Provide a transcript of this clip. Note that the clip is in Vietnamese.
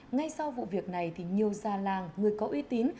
ngay sau vụ việc này nhiều gia làng người có uy tín